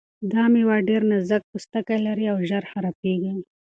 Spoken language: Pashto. دا مېوه ډېر نازک پوستکی لري او ژر خرابیږي.